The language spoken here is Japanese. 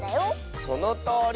そのとおり！